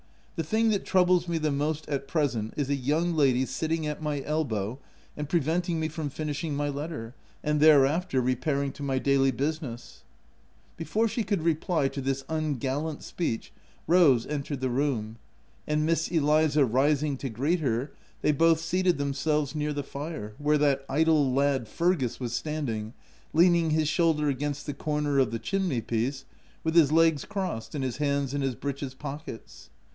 The thing that troubles me the most at pre sent, is a young lady sitting at my elbow, and preventing me from finishing my letter, and thereafter, repairing to my daily business." 188 THE TENANT Bofore she could reply to this ungallant speech, Rose entered the room ; and Miss Eliza rising to greet her, they both seated them selves near the fire, where that idle lad, Fergus, was standing, leaning his shoulder against the corner of the chimney piece, with his legs crossed and his hands in his breeches pockets.